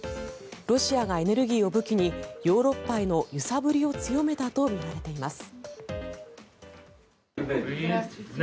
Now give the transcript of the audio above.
ロシアがエネルギーを武器にヨーロッパへの揺さぶりを強めたとみられます。